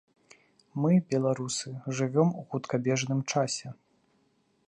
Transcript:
Мы, беларусы, жывём у хуткабежным часе.